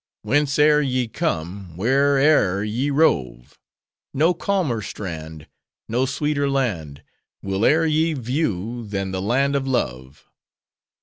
Whence e'er ye come, where'er ye rove, No calmer strand, No sweeter land, Will e'er ye view, than the Land of Love!